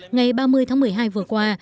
ngày ba mươi tháng một mươi hai vừa qua